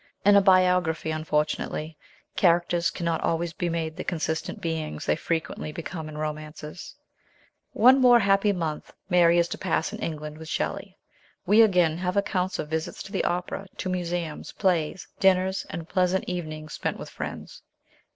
In a biography, unfortunately, characters cannot always be made the consistent beings they frequently become in romances. One more happy month Mary is to pass in England EETURN TO ENGLAND. 125 with Shelley. We, again, have accounts of visits to the opera, to museums, plays, dinners, and pleasant evenings spent with friends.